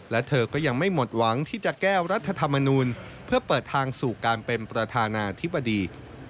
และเธอก็ยังไม่หมดหวังที่จะแก้รัฐธรรมนูลเพื่อเปิดทางสู่การเป็นประธานาธิบดี